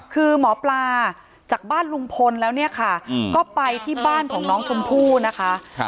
คือหมอปลาจากบ้านลุงพลแล้วเนี่ยค่ะก็ไปที่บ้านของน้องชมพู่นะคะ